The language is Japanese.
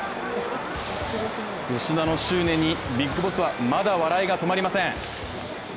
吉田の執念に、ＢＩＧＢＯＳＳはまだ笑いが止まりません。